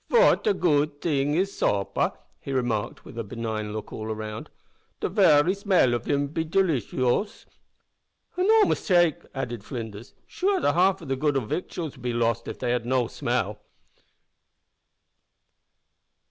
"Fat a goot t'ing is supper!" he remarked, with a benignant look all round; "the very smell of him be deliciowse!" "An' no mistake!" added Flinders. "Sure, the half the good o' victuals would be lost av they had no smell."